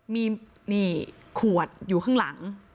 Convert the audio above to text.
มีนี่ขวดอยู่ข้างหลัง